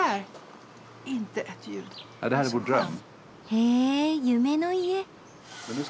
へぇ夢の家。